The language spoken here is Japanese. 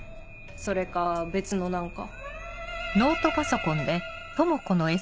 それか別の何か。